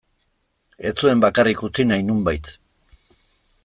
Ez zuen bakarrik utzi nahi, nonbait.